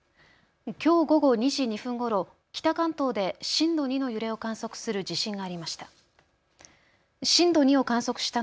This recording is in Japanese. きょう午後２時２分ごろ北関東で震度２の揺れを観測する地震がありました。